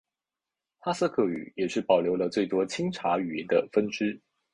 哈萨克语也是保留了最多钦察语言的分支。